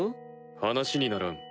話にならん。